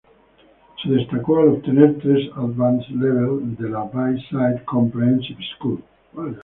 Se destacó al obtener tres Advanced Levels de la Bayside Comprehensive School.